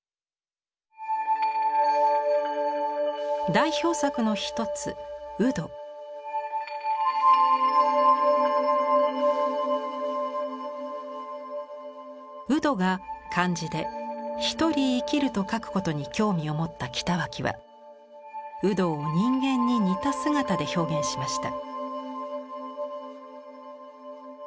代表作の一つ独活が漢字で「独り活きる」と書くことに興味を持った北脇は独活を人間に似た姿で表現しました。